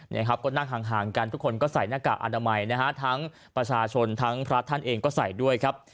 นี่ครับก็นั่งห่างกันทุกคนก็ใส่หน้ากากอนามัยนะฮะทั้งประชาชนทั้งพระท่านเองก็ใส่ด้วยครับ